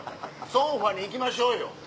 ソンファに行きましょうよ。